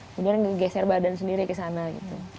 kemudian ngegeser badan sendiri ke sana gitu